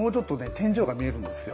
天井が見えるんですよ。